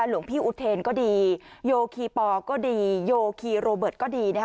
หลวงพี่อุเทนก็ดีโยคีปอก็ดีโยคีโรเบิร์ตก็ดีนะคะ